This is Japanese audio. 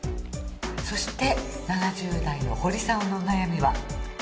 そして７０代の堀さんのお悩みは？